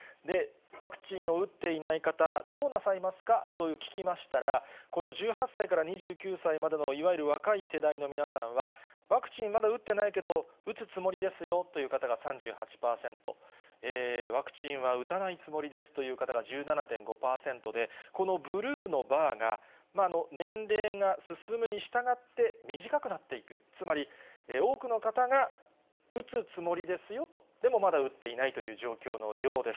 ワクチンを打っていない方、どうなさいますかと聞きましたら、この１８歳から２９歳までの、いわゆる若い世代の皆さんは、ワクチンまだ打ってないけど打つつもりですよという方が３８％、ワクチンは打たないつもりですという方が１７．５％で、このブルーのバーが、年齢が進むにしたがって短くなっていく、つまり多くの方が打つつもりですよと、でもまだ打っていないという状況のようです。